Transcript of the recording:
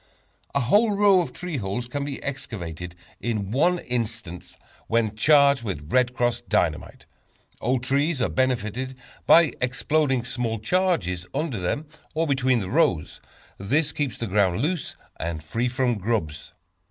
A whole row of tree holes can be excavated in one instant when charged with "Red Cross" Dynamite. Old trees are benefited by exploding small charges under them, or between the rows. This keeps the ground loose, and free from grubs.